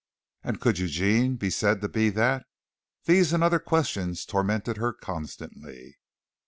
And could Eugene be said to be that? These and other questions tormented her constantly.